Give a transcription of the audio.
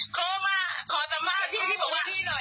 โครงมาขอสมบัติพี่พี่บอกว่าพี่หน่อย